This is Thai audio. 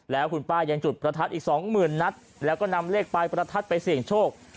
แล้วคุณป้ายังจุดประทัดอีก๒๐๐๐๐นัทแล้วก็นำเลขไปประทัดไปเสี่ยงโชค